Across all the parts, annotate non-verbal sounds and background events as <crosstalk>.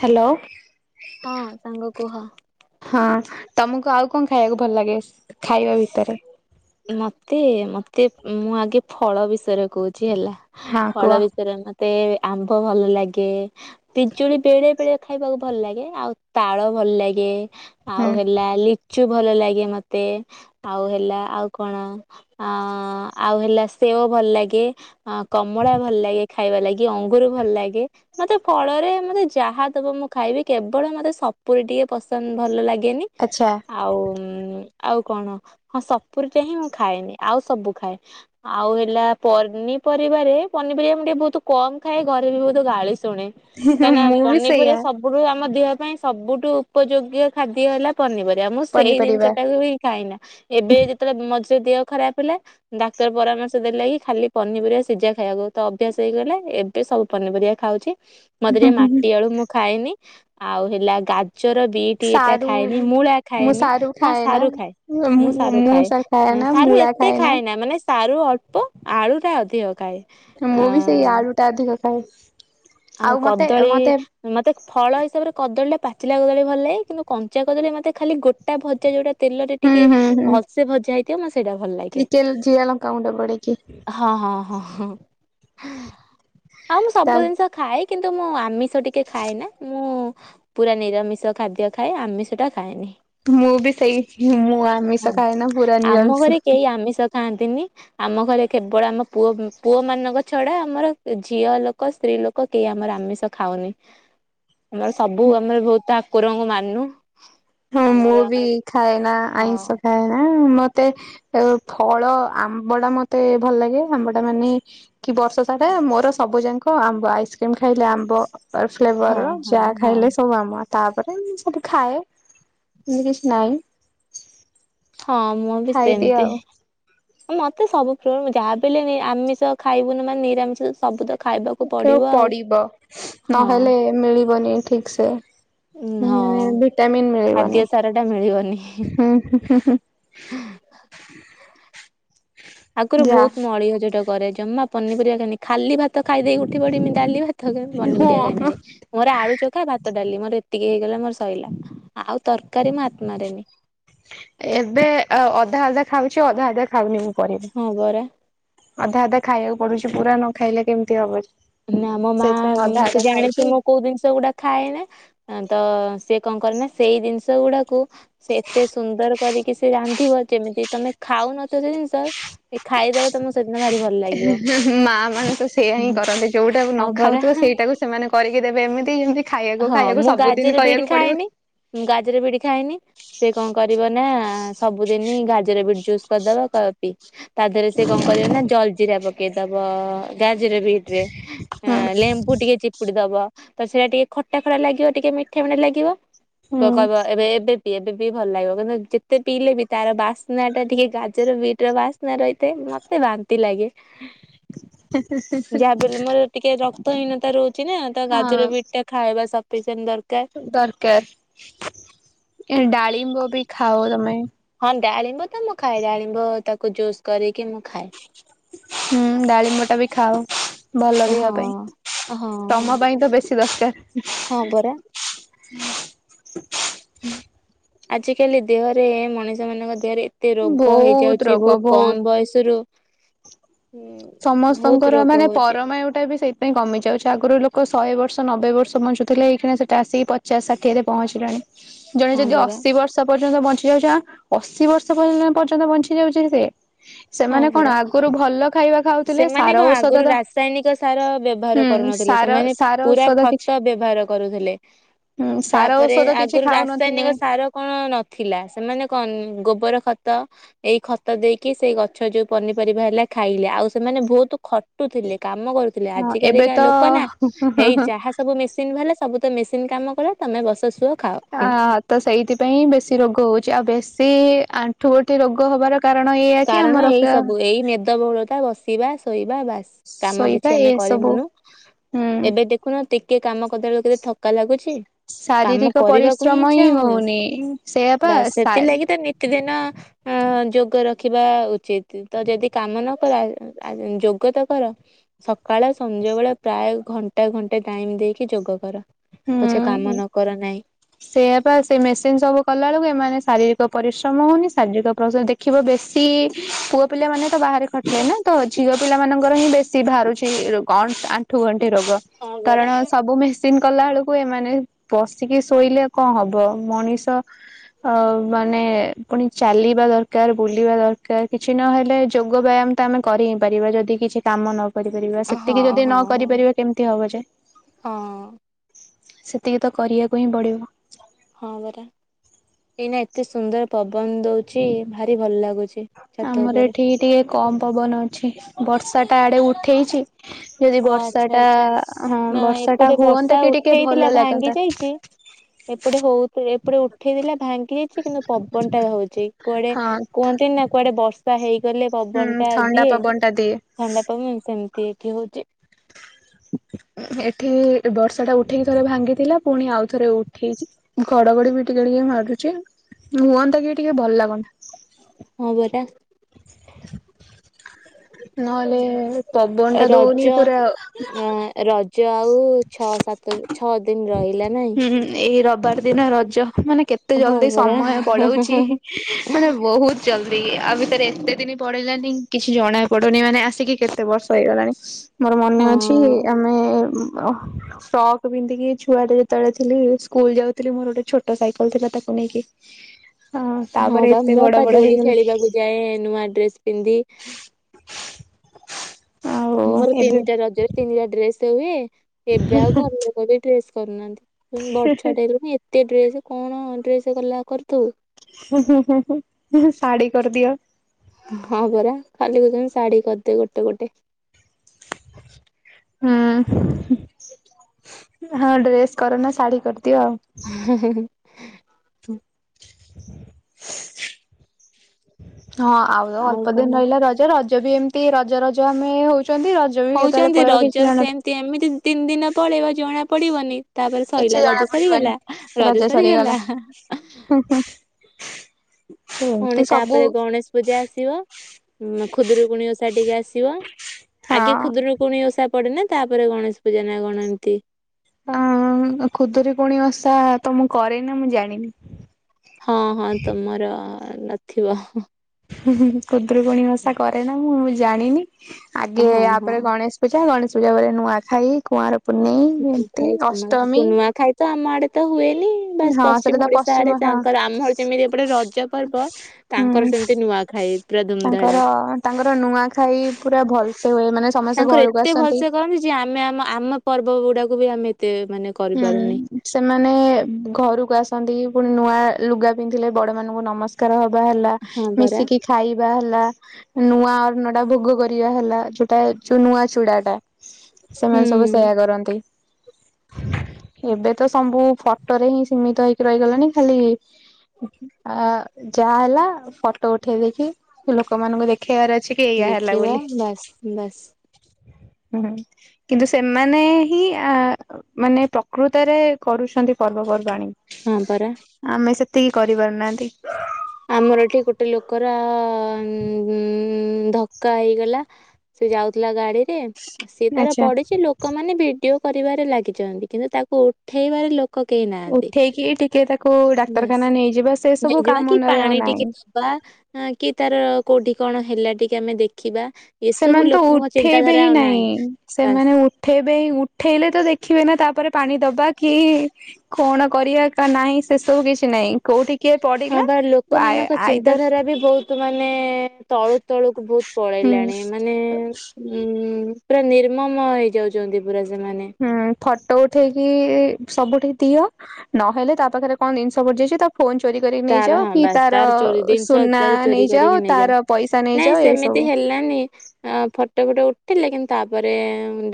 Hello. ହଁ ସାଙ୍ଗ କୁହ। ହଁ ତମକୁ ଆଉ କଣ ଖାଇବାକୁ ଭଲ ଲାଗେ, ଖାଇବା ଭିତରେ? ମତେ ମତେ ମୁଁ ଆଗେ ଫଳ ବିଷୟରେ କହୁଛି ହେଲା। ହଁ କୁହ ଫଳ ବିଷୟରେ ମତେ ଆମ୍ବ ଭଲ ଲାଗେ ପିଜୁଳି ବେଳେ ବେଳେ ଖାଇବାକୁ ଭଲ ଲାଗେ ଆଉ ତାଳ ଭଲ ଲାଗେ। ହୁଁ ଆଉ ହେଲା କୁଚୁ ଭଲ ଲାଗେ ମତେ ଆଉ ହେଲା ଆଉ କଣ ଅ ଆଉ ହେଲା ସେଓ ଭଲ ଲାଗେ କମଳା ଭଲ ଲାଗେ ଖାଇବା ଲାଗି ଅଙ୍ଗୁର ଭଲ ଲାଗେ ମତେ ଫଳରେ ମତେ ଯାହା ଦେବ ମୁଁ ଖାଇବି କେବଳ ମତେ ସପୁୁରୀ ଟିକେ ପସନ୍ଦ ଭଲ ଲାଗେ। କେନି ଆଚ୍ଛା ଆଉ ଆଉ କଣ ହଁ ସପୁୁରୀଟ ହିଁ ମୁଁ ଖାଏନି ଆଉ ସବୁ ଖାଏ ଆଉ ହେଲା ପନିପରିବାରେ ପନିପରିବା ମୁଁ ଟିକେ ବହୁତ କମ ଖାଏ ଘରେ ବି ବହୁତ ଗାଳି ଶୁଣେ କାହିଁକିନା ମୁଁ ବି ସେଇଆ ପନିପରିବା ସବୁ ଆମ ଦେହ ପାଇଁ ସବୁଠୁ ଉପଯୋଗୀ ଖାଦ୍ୟ ହେଲା ପନିପରିବା। ମୁଁ ସେଇ ଜିନିଷ ପନିପରିବା ଟାକୁ ହି ଖାଇନା ଏବେ ଯେତେବେଳେ ବିମସ ଯ ଦେହ ଖରାପ ହେଲା ଡାକ୍ତର ପରାମର୍ଶ ଦେଲେ କି ଖାଲି ପନିପରିବା ସିଝା ଖାଇବାକୁ ତ ଅଭ୍ୟାସ ହେଇଗଲା ଏବେ ସବୁ ପନିପରିବା ଖାଉ ମତେ ଟିକେ ମାଟି ଆଳୁ ମୁଁ ଖାଇନି। ଆଉ ହେଲା ଗା ଚୋର ବିଟ ଏଇଟା ସାରୁ ଖାଇନି ମୁଁଟ ମୁଁ ସାରୁ ଖାଏନା ମୁଁ ସ ଖାଏ ନା ସାରୁ ମୂଳା ଏତେ ଖାଏନା ଖାଏ ନା ମାନେ ସାରୁ ଅଳ୍ପ ଆଳୁ ଟା ଅଧିକ। ଖାଏ। ଅ ମୁଁ ବି ସେଇ ଆଳୁ ଟା ଅଧିକ। <unintelligible> ଆଉ ମତେ କଦଳୀ ମତେ ମ ଫଳ ହିସାବରେ କଦଳୀଟା ପାଚିଲା କଦଳୀ ଭଲ ଲାଗେ କିନ୍ତୁ କଞ୍ଚା କଦଳୀ ମତେ ଖାଲି ଗୋଟା ଭଜା ଯୋଉ ତେଲରେ ହୁଁ ଟିକେ ହୁଁ ହୁଁ ଭଲସେ ଭଜା ହେଇଥିବ ମତେ ସେଇଟା ଭଲ ଲାଗେ ଟିକେ ଜିରା ଲଙ୍କା ଗୁଣ୍ଡ ପଡିକି ହଁ ହଁ। ହଁ। ଆଉ ମୁଁ ତା ସବୁ ଜିନିଷ ଖାଏ କିନ୍ତୁ ମୁଁ ଆମିଷ ଟିକେ ଖାଏ ନା ମୁଁ ପୁରା ନିରାମିଷ ଖାଦ୍ୟ ଖାଏ ଆମିଷ ଟା ଖାଏନି। ମୁଁ ବି ସେଇ ମୁଁ ହଁ। ଆମିଷ କାହି ନା ପୁର ନି ଆମିଷ ଥାଆନ୍ତିନି ଆମ ଘରେ କେବଳ ଆମ ପୁଅ ପୁଅ ମାନଙ୍କ ଛଡା ଆମର ଝିଅ ଲୋକ ସ୍ତ୍ରୀ ଲୋକ ଲୋକ କେହି ଆମର ଆମିଷ ଖାଉନି? ଆମର ସବୁ ଆମର ବହୁତ କୁକୁରଙ୍କୁ ମାନନୁ ହଁ ମୁଁ ବି ଖାଏ ନା ଆଇଁଷ ଖାଏନା ମ ମତେ ଫଳ ଆମ୍ବ ଟା ମତେ ଭଲ ଲାଗେ ଆମ୍ବ ଟା ମାନେ କି ବର୍ଷ ସାରା ମୋର ସବୁ ଯାକ ଆମ୍ବ ଆଇସ୍କ୍ରିମ ଖାଇଲେ ଆମ୍ବ ହଁ ଫ୍ଲେଭର ହଁ ଯାହା ହଁ ଖାଇଲେ ସବୁ ଆମ ତାପରେ ସବୁ ଖାଏ। ହିନତି କିଛି ନାଇଁ। ହଁ ମୁଁ ବି ସେମିତି ମତେ ସୁ ର ଯାହାବଲେ ଆମିଷ ଖାଇବୁନି ମାନେ ନିରାମିଷ ସବୁ ଦ ଉ ପଡିବ ହଁ ନହେଲେ ମିଳିବନି ଠିକ୍ ସେ ହଁ ମାନେ ଭିଟାମିନ୍ ଖାଦ୍ୟ ମିଳିବନି ସାର ଟା ମିଳିବନି। ହୁଁ। ଆଗରୁ ଯା ବହୁତ ମଳିହ ଯୋଉଟାକୁ ଘରେ ଜମା ପନିପରିବାି ଖାଲି ଭାତ ଖାଇ ଦେଇକି ଉଠି ପଡମି ଡାଲି ଭାତ ପନିପରିବା ହଁ ଖାଇି ମୋର ଆଳୁ ଚକା ବା ତ ଡାଲି ମୋର ଏତିକି ହେଇଗଲା ମୋର ଶୋଇଲା ଆଉ ତରକାରୀ ମୁଁ ଆତ୍ମାରେନି ଏବେ ଅଧା ଅଲଧା ଖାଉଛି ଅଧା ଅଲଦା ଖାଉନି ମୁଁ ପରିବା। ହଁ ବର ଅଧା ଅଧା ଖାଇବାକୁ ପଡୁଛି ପୁରା ନ ଖାଇଲେ କେମିତି ହବ। ନା ମୋ ମା ସେଇଥିପାଇଁ ଅଧା ସେ ଅଧା ଜାଣିଛି ମୁଁ ଖାଉଛି। କୋଉ ଜିନିଷ ଗୁଡା ଖାଏନ ତ ସିଏ କଣ କରେ ନା ସେଇ ଜିନିଷ ଗୁଡାକୁ ସେ ଏତେ ସୁନ୍ଦର କରିକି ସେ ରାନ୍ଧିବ ଯେମିତି ତମେ ଖାଉନଥ ଜିନିଷ ଖାଇଦବ ତମ ସେଦିନ ଭାରି ଭଲ ଲାଗିବ। ମା ମାନେ ତ ସେଇୟା ହିଁ କରନ୍ତି ଯୋଉଟାକୁ ନ ହଁ ଖାଉଥିବ ପରା। ସେଇଟାକୁ ସେମାନେ କରିକି ବେ ଏମିତିି ହଁ ମୁଁ ଗାଜର ବିଡି ଖାଏନି ମୁଁ ଗାଜର ବିଡି ଖାଇଏନି। ସେ କଣ କରିବ ନା ସବୁଦିନ ଗାଜର ବିଟ ଜୁସ୍ କରିଦବ କି? ତା ଦେହରେ ସେ କଣ କରିବ ନା ଜଲଜିିରି ହେବା ଦବା ବିଟ ରେ ଲେମ୍ପୁ ଟିକେ ଚିପୁଡି ଦବା ତ ସେଇଟା ଟିକେ ଖଟା ଖରା ଲାଗିବ ଟିକେ ମିଠା ମିଠା ଲାଗିବ ତୁ କହିବ ହୁଁ। ଏବେ ଏବେ ପିଇବେ ବି ଭଲ ଲାଗିବ କିନ୍ତୁ ଯେତେ ପିଇଲେ ବି ତାର ବାସ୍ନା ଟା ଟିକେ ଗାଜର ବିଟ ର ବାସ୍ନା ରହିଥାଏ ମତେ ବାନ୍ତି ଲାଗେ। ଯାହାବଲେ ମୋର ଟିକେ ରକ୍ତ ହୀନତା ରହୁଛି ନା ତ ଗାଜର ବି ହଁ ଖାଇବା ସିଣ୍ଟ ଦରକାର ଦରକାର ଡାଳିମ୍ବ ବି ଖାଅ ତମେ ହଁ ଡାଳିମ୍ବ ତ ମୁଁ ଖାଏ ଡାଳିବ ତାକୁ ଜୁସ୍ କରିକି ମୁଁ ଖାଏ। ହୁଁ ଡାଳିମଟା ବି ଖାଉ ଭଲ ହଁ ରିବା ପାଇଁ ହଁ ହଁ ତମ ପାଇଁ ତ ବେଶୀ ଦରକାର ହଁ ପରା <inaudible> ଆଜିକାଲି ଦେହରେ ମଣିଷ ମାନଙ୍କ ଦେହରେ ଏତେ ରୋଗ ବହୁତ ହେଇଯାଉଛି ରୋଗ ବହୁତ କମ ବୟସ ରୁ ବହୁତ ସମସ୍ତଙ୍କର ରୋଗ ମାନେ ହଉଛି ପରମ ପରମାୟୁ ଟା ସେ ପାଇଁ କମି ଯାଉଛି ଆଗରୁ ଲୋକ ଶହେ ବର୍ଷ ନବେ ବର୍ଷ ବଞ୍ଚୁଥିଲେ ଏଇ ସେଠା ଆସିକି ପଚା ଷଠିଏରେ ପହଞ୍ଚିଲାଣି। ଜଣେ ହଁ ଯଦି ପରା ଅଶୀ ବର୍ଷ ପ ପର୍ଯ୍ୟନ୍ତ ବଞ୍ଚି ଯାଉଛି ଅଶୀ ବର୍ଷ ପର୍ଯ୍ୟନ୍ତ ବଞ୍ଚି ଯାଉଛି ସେ ହଁ ସେମାନେ କଣ ଆଗରୁ ଭଲ ଖାଇବା ଖାଉଥିଲେ ସେମାନେ ସାର କଣ ଔଷଧ ଆଗରୁ ତ ରାସାୟନିକ ସାର ବ୍ୟବହାର ହୁଁ କରୁନଥିଲେ ସାର ସେମାନେ ସାର ପୁରା ଔଷଧ କିଛି ଖତ ବ୍ୟବହାର କରୁଥିଲେ ହୁଁ ସାର ତାପରେ ଔଷଧ କିଛି ଆଗରୁ ଖାଉନଥିଲେ ରାସାୟନିକ ସାର କଣ ନଥିଲା ସେମାନେ କଣ ଗୋବର ଖ ଖତ ଏଇ ଖତ ଦେଇକି ସେଇ ଗଛ ଗଛ ଯୋଉ ପନିପରିବା ହେଲା ଖାଇଲେ ଆଉ ସେମାନେ ବହୁତ ଟୁଥିଲେ କାମ କରୁଥିଲେ ହଁ ଆଜି ଏବେ କାଲିକା ତ ଲୋକ ନା ହେଇ ଯାହା ସବୁ ମେସିନ୍ ବାଲା ସବୁ ତ ମେସିନ୍ କାମ କରେ ତମେ ବସ ଶୁଅ ଖାଅ ଅ ତ ସେଇଥିପାଇଁ ବେଶୀ ରୋଗ ହଉଛି ଆଉ ବେଶୀ ବେଶୀ ଆଣ୍ଠୁ ଗଣ୍ଠି ରୋଗ ହବାର କାରଣ ଏଇଆ କି କାରଣ ଏଇ ଆମର ସବୁ ଏଇ ମେଦବହୁଳତା ବସି <inaudible> ବାସ୍ କାମ ଶୋଇବା କିଛି ଏ ଆମେ ସବୁ କରିମୁନୁ ହୁଁ। ଏବେ ଦେଖୁନ କିଏ କାମ <inaudible> କେତେ ଥକା ଲାଗୁଛି କାମ ଶାରୀରିକ କରିବାକୁ ପରିଶ୍ରମ ଇଚ୍ଛା ହିଁ ହଉନି ସେଇଆା ପା ବାସ୍ ସେଥିଲାଗି ତ ନିତିଦିନ ଅ ଯୋଗ ରଖ ଦେଖିବା ଉଚିତ୍ ତ ଯଦି କାମ ନ କର ଅ ଯୋଗ ତ କର ସକାଳ ସଞ୍ଧ୍ୟବେେଳେ ପ୍ରାୟ ଘଣ୍ଟା ଘଣ୍ଟେ ଟାଇମ ଦେଇକି ଯୋଗ କର। ପଛେ କାମ ହୁଁ ନ କର ନାହିଁ। ସେଆପ ସେ ମେସିନ ସବୁ କଲା ବେଳକୁ ଏ ମାନେ ଶାରୀରିକ ପରିଶ୍ରମ ହଉନି ଶାରୀରିକ ପରିଶ୍ରମ ଦେଖିବ ବେଶୀ ପୁଅ ପିଲା ମାନେ ତ ବାହାରେ ଖଟିଲେ ନା ତ ଝିଅ ପିଲାମାନଙ୍କର ହିଁ ବେଶୀ ବାହାରୁଛିରୋ ଆଣ୍ଠୁ ଗଣ୍ଠି ରୋଗ ହଁ ପରା। କାରଣ ସବୁ ମ କଲା ବେଳକୁ ଏମାନେ ବସିକି ଶୋଇଲେ କଣ ହବ ମଣିଷ ଅ ମାନେ ପୁଣି ଚାଲିବା ଦରକାର ବୁଲିବା ଦରକାର କିଛି ନହେଲେ ଯୋଗ ବ୍ୟାୟାମ ତ ଆମେ କରି ହି ପାରିବା ଯଦି କିଛି କାମ ନ କରିପାରିବା ହଁ ସେତିକି ହଁ ଯଦି ନ ହଁ କରିପାରିବା କେମିତି ହବ ଯେ। ହଁ। ସେତିକି ତ କରିବାକୁ ହିଁ ପଡିବ। ହଁ ପରା ଏଇନା ଏତେ ସୁନ୍ଦର ପବନ ଦଉଛି ଭାରି ଭଲ ଲାଗୁ ଆମର <inaudible> ଏଠି ଟିକେ କମ ପବନ ଅଛି ବର୍ଷା। ତା ଆଡେ ଉଠେଇଛି ଯଦି ଓ ଆଚ୍ଛା ବର୍ଷାଟା ଆଚ୍ଛା ହଁ ନା ବର୍ଷା ଟା ଏପଟେ ବର୍ଷା ହୁଅନ୍ତା କି ଟିକେ ଉଠେଇଥିଲା ଭଲ ଭାଙ୍ଗି ଲାଗନ୍ତା ଯାଇଛି ଏପଟେ ହଉ ଏପଟେ ଉଠେଇଥିଲା ଭାଙ୍ଗି ଯାଇଛି କିନ୍ତୁ ପବନଟା ହଉଛି କୁଆଡେ ହଁ କୁହନ୍ତି ନା କୁଆଡେ ବର୍ଷା <unintelligible> ହୁଁ ପବନ ଟା ଥଣ୍ଡା ପବନଟା ଦିଏ। ସେ <unintelligible> ଏଠି ବର୍ଷାଟା ଉଠେଇକି ଥରେ ଭାଙ୍ଗିଥିଲା ପୁଣି ଆଉ ଥରେ ଉଠେଇଛି ଘଡଘଡି ବି ଟିକେ ଟିକେ ମାରୁଛି ହୁଅନ୍ତା କି ଟିକେ ଭଲ ଲାଗନ୍ତା। ହଁ ପରା। ନହେଲେ ପବନଟା ଦଉନି ପୁରା। ଯାଉ ହୁଁ ଏଇ ରବିବାର ଦିନ ରଜ। ମାନେ କେତେ ହଁ ଜଲଦି ପରା ସମୟ ପଳାଉଛି ମାନେ ବହୁତ ଜଲଦି ଆଉ ଭିତରେ ଏତେ ଦିନ ପଡେଇିଲାନି କିଛି ଜଣା ପଡୁନି ମାନେ ଆସିକି କେତେ ବର୍ଷ ହେଇଗଲାଣି ମୋର ମନେ ହଁ ଅଛି ଆମେ ଫ୍ରକ ପିନ୍ଧିକି ଛୁଆଟା ଯେତେବେଳେ ଥିଲି ସ୍କୁଲ ଯାଉଥିଲି ମୋର ଗୋଟେ ଛୋଟ ସାଇକେଲ ଥିଲା ତାକୁ ନେଇକି ହଁ ତାପରେ ବା ଏତେ ମୋ ବଡ ପା ବଡ ଡୋଳି ହେଇଗଲେଣି ଖେଳିବାକୁ ଯାଏ ନୂଆ ଡ୍ରେସ ପିନ୍ଧି ଆଉ ମୋର ଏବେ ତିନିଟା ରଜରେ ତିନିଟା ଡ୍ରେସ୍ ହୁଏ। ଏବେ ଆଉ ଘରଲୋକ ବି ଡ୍ରେସ କରୁନାହାନ୍ତି। ବଡ଼ ଛୁଆଟେ <unintelligible> ଏତେ ଡ୍ରେସ କଣ ଡ୍ରେସ ଗଲା କରୁଥୁବୁ। ଶାଢ଼ୀ କରିଦିଅ। ହଁ ପରା ଖାଲି କହୁଛନ୍ତି ଶାଢୀ କରିଦେ ଗୋଟେ ଗୋଟେ। ହୁଁ ହଁ ଡ୍ରେସ୍ କର ନା ଶାଢୀ କର <unintelligible> <unintelligible> <unintelligible> ହଁ ଆଉ ଅଳ୍ପ ଦିନ ରହିଲା ରଜ ରଜ ଯ ବି ଏମିତି ରଜ ରଜ ଆମେ ହଉ ହଉଛନ୍ତି ରଜ ସେମତି ଏମିତି ତିନି ଦିନ ପଳେଇବା ଜଣାପଡ଼ିବନି। ତାପରେ କିଛି ସଇଲା ଜଣା ରଜ ପଡିବନି ସରିଗଲା ରଜ ସରିଗଲା। ହୁଁ ହୁଁ ପୁଣି ଏମିତି ସବୁ ତାପରେ ଗଣେଶ ପୂଜା ଆସିବ ଖୁଦରୁକୁୁଣୀ ଓଷା ଟିକେ ଆସିବ ହଁ ଆଗେ ଖୁଦରୁକୁୁଣି ଓଷା ପଡେନା ତାପରେ ଗଣେଶ ପୂଜା ନା କଣ ଏନ୍ତି। ଅଁ ଖୁଦରକୁଣି ଓଷା ତ ମୁଁ କରେନା ମୁଁ ଜାଣିନି। ହଁ ହଁ ତମର। ନଥିବ <inaudible> ୁ କୁଦ୍ରୁପଣୀ ଭାଷା କରେ ନା ମୁଁୁ <inaudible> ଜାଣିନି। ଆଗେ ହଁ ହଁ। ଆପରେ ଗଣେଶ ପୂଜା ଗଣେଶ ୂଜା ବ ନୂଆଖାଇ କୁଆଁର <inaudible> ଏମିତି ଖାଇ ଅଷ୍ଟମୀ କୁନୁଆ ଖାଇ ତ ଆମ ଆଡେ ତ ହୁଏନି ବାସ ହଁ ସେଟା ପଶ୍ଚିମ ତ ଓଡିଶା ଆଡେ ହଁ ତାଙ୍କର ଆମ ଯେମିତି ଏପଟେ ରଜ ପର୍ବ ତାଙ୍କର ହୁଁ ସେମିତି ନୂଆଖାଇ ପୁରା ଧୁମଧାଡା ତାଙ୍କର ତାଙ୍କର ନୂଆଖାଇ ପୁରା ଭଲସେ ହୁଏ ମାନେ ସମସ୍ତେ ତାଙ୍କର ଘରକୁ ଏତେ ଆସନ୍ତି ଭଲସା କରନ୍ତି ଯେ ଆମେ <inaudible> ପର୍ବ ଗୁଡାକୁ ବି ଆମେ ଏତେ ମାନେ କରିପାରୁନି। ହୁଁ ସେମାନେ ଘରକୁ ଆସନ୍ତି ପୁଣି। ନୂଆ ଲୁଗା ପିନ୍ଧିଲେ ବଡ ମଙ୍କୁ ନମସ୍କାର ହବ। ହେଲା ହଁ ପରା ମିଶିକି ଖାଇବା ହେଲା। ନୂଆ ଅ ନଡା ଭୋଗ କରିବା ହେଲା ଯୋଉଟା ଯୋଉ ନୂଆ ଚୁଡା ଟା ହୁଁ ସେମାନେ ସବୁ ସେୟା କରନ୍ତି। ଏବେ ତ ସବୁ ଫଟୋ ରେ ହିଁ ସୀମିତ ହେଇକି ରହିଗଲାଣି ଖାଲି ଆ ଯାହା ହେଲା ଫଟୋ ଉଠେଇ ଦେଇକି ଲୋକମାନଙ୍କୁ ଦେଖେଇବାର ଅଛି କି ଏଇଆ ହେଲା ଦେଖିବା ବୋଲି ବାସ୍ ବାସ୍। ହୁଁ କିନ୍ତୁ ସେମାନେ ହିଁ ଅ ମାନେ ପ୍ରକୃତରେ କରୁଛନ୍ତି ପର୍ବପର୍ବାଣୀ। ହଁ ପରା। ଆମେ ସେତିକି କରିବାର ଆମର ଏଠି ଗୋଟେ ଲୋକର ଧକ୍କା ହେଇଗଲା ସେ ଯାଉଥିଲା ଗାଡିରେ ସେଏ ତାର ଆଚ୍ଛା ପଢିଛି ଲୋକମାନୋନ ଭିଡିଓ କରିବାରେ ଲାଗିଛନ୍ତି କିନ୍ତୁ ତାକୁ ଉଠେଇବାରେ ଲୋକ କେହି ନାହାନ୍ତି। ଉଠେଇକି ଟିକେ ତାକୁ ବାସ୍ ଡାକ୍ତରଖାନା ନେଇଯିବା ସେ ସବୁ କାହା ନେଇଯିବା କି ମନରେ ଆଉ ପାଣି ନାହିଁ। ଟିକେ ଦବା କି ତାର କୋଉଠି କଣ ହେଲା ଟିକେ ଆମେ ଦେଖିବା। ଏସବୁ ସେମାନେ ତ ଲୋକଙ୍କ ଉଠେଇବେ ଚିନ୍ତାଧାରା ହିଁ ଆଉ ନାଇଁ ନାହିଁ ବାସ୍। ସେମାନେ ଉଠେଇବେ ହିଁ ଉଠେଇଲେ ତ ଦେଖିବେ ନା ତାପରେ ପାଣି ଦବା କି କଣ କରିବା କ ନାହିଁ ସେସବୁ କିଛି ନାହିଁ। କୋଉଠି କିଏ ହଁ ପଡିଲା ବା ଆଇ ଲୋକମାନଙ୍କ ଆଇଦର ଚିନ୍ତାଧାରା ବି ବହୁତ ମାନେ ତଳୁ ତଳକୁ ବହୁତ ହୁଁ ପଳେଇଲାଣି ମାନେ ଉ ପୁରା ନିର୍ମମ ହେଇଯାଉଛନ୍ତି ପୁରା ସେମାନେ ହୁଁ ଫଟୋ ଉଠେଇକି ସବୁଠେଇ ଦିଅ ନହେଲେ ତା ପାଖରେ କଣ ଜିନିଷ ପଡିଯାଇଛି ତା ଫୋନ ଚୋରି କରିକି ତାର ନେଇଯାଅ ହଁ କି ବାସ୍ ତାର ଚୋରି ଜିନିଷ ସୁନା ତାର ଚୋରି ନେଇଯାଅ କରିକି ତାର ପଇସା ନେଇଯାାଉ ନେଇଯାଅ ନାଇଁ ସେମିତି ଏସବୁ ହେଲାନି ଫଟୋ ଫୁଟ ଉଠ ଥିଲେ କିନ୍ତୁ ତାପରେ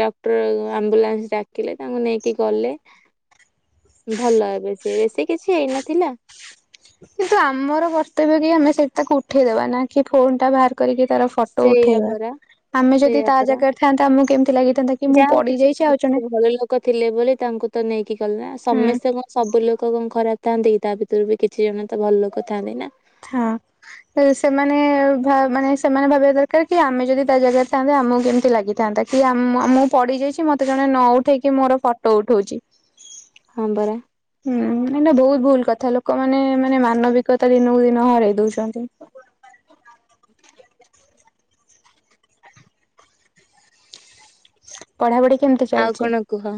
ଡକ୍ଟର ଆମ୍ବୁଲାନ୍ସ ଡାକିଲେ ତାଙ୍କୁ ନେଇକି ଗଲେ ଭଲ ଏବେ ସି ବେଶୀ କିଛି ହେଇନଥିଲା। କିନ୍ତୁ ଆମର କର୍ତ୍ତବ୍ୟ କି ଆମେ ସେଇ ତାକୁ ଉଠେଇଦବା ନା କି ଫୋନ ଟା ବାହାର କରିକି ତାର ଫଟୋ ଉଠେଇବା। ସେଇଆପରା ଆମେ ଯଦି ତା ସେଇଆପରା ଜାଗାରେ ଥାନ୍ତା ଆମକୁ କେମିତି ଲାଗିଥାନ୍ତା କି ମୁଁ ଯାହା ହଉ ପଡି କିଛି ଯାଇଛି ଆଉ ଜଣେ ଭଲ ଲୋକ ଥିଲେ ବୋଲି ତାଙ୍କୁ ତ ନେଇକି ଗଲେ ନା ହୁଁ ସମସ୍ତେ କଣ ସବୁ ଲୋକ କଣ ଖରାପ। ଥାନ୍ତି ତା ଭିତରୁ ବି କିଛି ଜଣ ତ ଭଲ ଲୋକ ଥାଆନ୍ତି ନା। ହଁ ସେମାନେ ମାନେ ସେମାନେ ଭାବିବା ଦରକାର କି ଆମେ ଯଦି ତା ଜାଗାରେ ଥାନ୍ତତା ଆମକୁ କେମିତି ଲାଗିଥାନ୍ତା କି ମୁଁ ପଡିଯାଇଛି ମତେ ଜଣେ ନ ଉଠେଇକି ମୋର ଫଟୋ ଉଠଉଛି। ହଁ ପରା। ହୁଁ ଏ ବହୁତ ଭୁଲ କଥା ଲୋକ ଲୋକମାନେ ମାନେ ମାନବିକତା ଦିନକୁ ଦିନ ହରେଇ ଦଉଛନ୍ତି। <inaudible> ପଢାପଢି କେମିତି ଆଉ ଚାଲିଛି? କଣ କୁହ।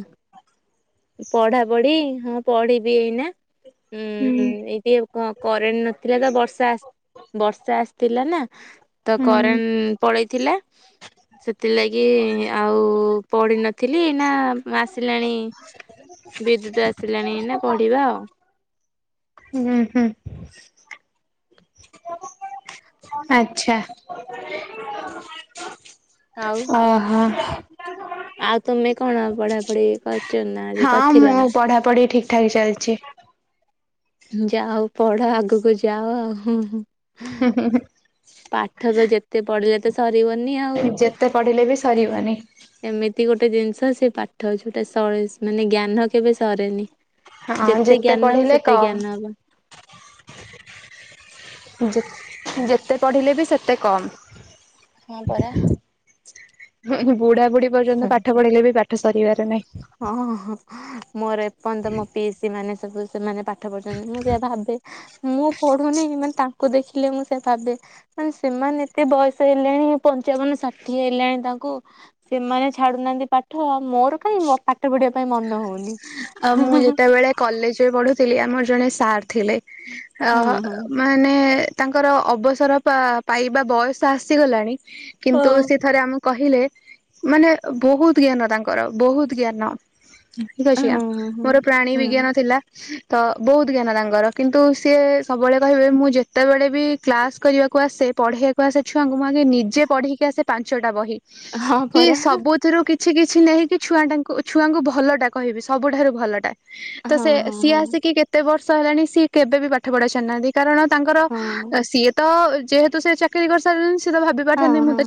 ପଢା ପଢି ହଁ ପଢିବି ଏଇନା। ହୁଁ ଏଇଠି କ କରେଣ୍ଟ ନଥିଲା ତ ବର୍ଷା ବର୍ଷା ଆସ ଥିଲା ନା ତ ହୁଁ କରେନ୍ ପଳେଇଛି। ଥିଲା ସେଥିଲାଗି ଆଉ ପଢିନଥିଲି ନା। ଆସିଲାଣି ବିଦ୍ୟୁତ ଆସିଲାଣି ନା ପଢିବା ଆଉ। ହୁଁ ହୁମ୍ଁ ଆଚ୍ଛା। ଆଉ ଓହୋ। ଆଉ ତମେ କଣ ପଢା ପଢେ କ ହଁ ମୁଁ ପଢାପଢି ଠିକ ଠାକ୍ ଚାଲିଛି। ଯାହଉ ପଢ ଆଗକୁ ଯାଅ। ହଁ ହଁ ପାଠ ତ ଯେତେ ପଢିଲେ ି ଆଉ ଯେତେ ପଢିଲେ ବି ସରିବନି ଏମିତି ଗୋଟେ ଜିନିଷ ସେ ପାଠ ହଉଛି ଗୋଟେ ସ ମାନେ ଜ୍ଞାନ କେବେ ସରେନି। ହଁ ଯେତେ ଜ୍ଞାନ ନବ ପଢିଲେ ସେତେ କମ୍। ଜ୍ଞାନ ହବ। ଯେ ଯେତେ ପଢ଼ିଲେ ବି ସେତେ କମ୍। ହଁ ପରା। ବୁଢା ପର୍ଯ୍ୟନ୍ତ ପାଠ ପଢିଲେ ବି ପାଠ କରିବାର ନା ହଁ। ମୋର ଏପର୍ଯ୍ୟନ୍ତ ମୋ ପିଇସ ମାନେ <unintelligible> ପାଠ ପଢଛନ୍ତି ମୁଁ ସେଇୟଆ ଭାବେ ମୁଁ ପଢୁନି ମାନେ ତାଙ୍କୁ ଦେଖିଲେ ମୁଁ ସେ ଭାବେ ମାନେ ସେମାନେ ଏତେ ବୟସ ହେଲେଣି ପଞ୍ଚାବନ ଷାଠିଏ ହେଲାଣି ତାଙ୍କୁ ସେମାନେ ଛାଡୁନାହାନ୍ତି ପାଠ ଆଉ ମୋର କାଇ? ପାଠ ପଢିବା ପାଇଁ ମନ ହଉନି। ଆଉ ମୁଁ ଯେତେବେଳେ କଲେଜ ରେ ପ ଥିଲି ଆମର ଜଣେ ସାର୍ ଥିଲେ। ଅ ହଁ ହଁ ମାନେ ତାଙ୍କର ଅବସର ପାଇବା ବୟସ ଆସିଗଲାଣି। କିନ୍ତୁ ହଁ ସେ ଥରେ ଆମକୁ କହିଲେ ମାନେ ବହୁତ ଜ୍ଞାନ ତାଙ୍କର ବହୁତ ଜ୍ଞାନ ହଁ <unintelligible> ମୋର ପ୍ରାଣୀ ହଁ ବିଜ୍ଞାନ ଥିଲା। ତ ବହୁତ ଜ୍ଞାନ ତାଙ୍କର କିନ୍ତୁ ସିଏ ସବୁବେଳେ କହିବେ ମୁଁ ଯେତେବେଳେ ବି କ୍ଲାସ କରିବାକୁ ଆସେ ପଢେଇଆକୁ ଆସ ଛୁଆ ତ ନିଜେ ପଢିକି ଆସ ପାଞ୍ଚଟା ବ ହଁ କି ପରା ସବୁଥିରୁ କିଛି କିଛି କିଛି ନେଇକି ଛୁଆ ଟାଙ୍କୁ ଛୁଆଙ୍କୁ ଭଲ ଟା କହିବି। ସବୁଠାରୁ ଭଲ। ତ ହଁ ସେ ହଁ ସିଏ ହଁ ଆସିକି କେତେ ବର୍ଷ? ହେଲାଣି ସି କେବେ ବି ପାଠ ପଢା ସାରିନାହାନ୍ତି କାରଣ ତାଙ୍କର ହଁ ସିଏ ତ ଯେହେତୁ ସେ ଚାକିରି କରିସାରିଲ ତ ଭାବି ପାରିଥାନ୍ତେ ହଁ ନା ନାଇ ହଁ